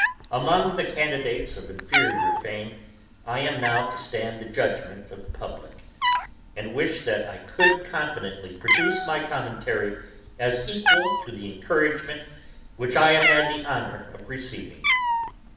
Among these candidates of inferiour fame, I am now to stand the judgment of the publick; and wish that I could confidently produce my commentary as equal to the encouragement which I have had the honour of receiving.